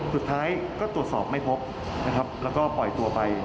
สุดท้ายก็ตรวจสอบไม่พบนะครับแล้วก็ปล่อยตัวไป